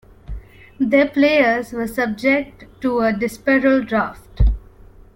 Their players were subject to a dispersal draft.